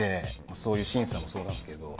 そういう審査もそうなんですけど。